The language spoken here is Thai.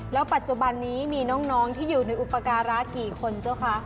แล้วปัจจุบันนี้มีน้องที่อยู่ในอุปการะกี่คนเจ้าคะ